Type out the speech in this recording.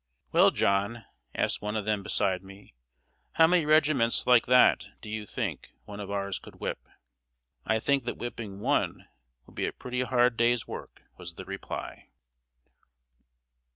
"Well, John," asked one of them beside me, "how many regiments like that do you think one of ours could whip?" "I think that whipping one would be a pretty hard day's work!" was the reply.